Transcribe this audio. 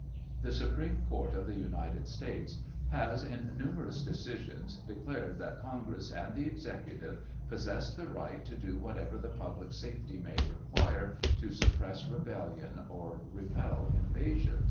The Supreme Court of the United States has, in numerous decisions, declared that Congress and the Executive possess the right to do whatever the public safety may require to suppress rebellion or repel invasion.